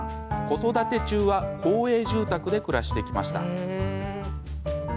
子育て中は公営住宅で暮らしてきました。